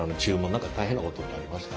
何か大変なことってありました？